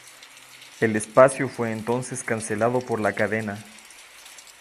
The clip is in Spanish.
El espacio fue entonces cancelado por la cadena.